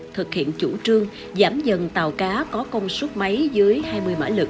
thực hiện chủ trương giảm dần tàu cá có công suất máy dưới hai mươi km